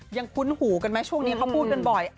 คุ้นหูกันไหมช่วงนี้เขาพูดกันบ่อย